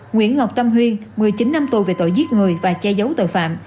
nguyễn ngọc tâm huyên một mươi chín năm tù về tội giết người và che giấu tội phạm